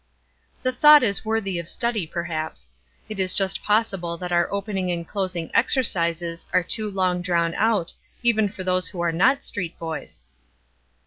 The thought is worthy of study, perhaps. It is just possible that our opening and closing exercises are too long drawn out even for those who are not street boys.